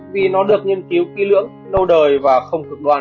vì nó được nghiên cứu kỹ lưỡng lâu đời và không cực đoan